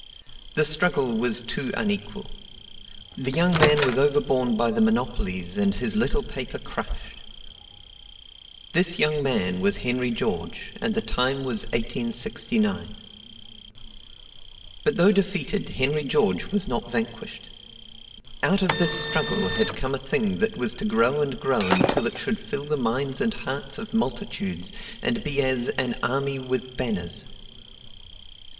The struggle was too unequal. The young man was overborne by the monopolies and his little paper crushed. This man was Henry George and the time was 1869. But though defeated, Henry George was not vanquished. Out of this struggle had come a thing that was to grow and grow until it should fill the minds and hearts of multitudes and be as "an army with banners."